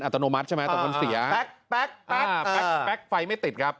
อัตโนมัติใช่ไหมแต่ว่ามันเสียแป๊กแป๊กแป๊กแป๊กแป๊กไฟไม่ติดครับ